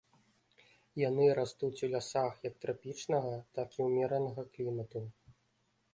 Яны растуць у лясах як трапічнага, так і ўмеранага клімату.